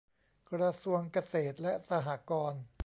กระทรวงเกษตรและสหกรณ์